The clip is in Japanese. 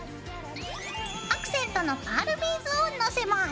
アクセントのパールビーズをのせます。